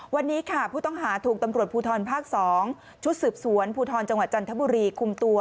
วันนี้ค่ะผู้ต้องหาถูกตำรวจภูทรภาค๒ชุดสืบสวนภูทรจังหวัดจันทบุรีคุมตัว